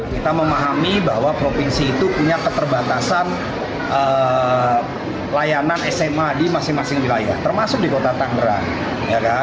kita memahami bahwa provinsi itu punya keterbatasan layanan sma di masing masing wilayah termasuk di kota tangerang